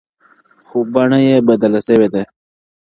خو بڼه يې بدله سوې ده,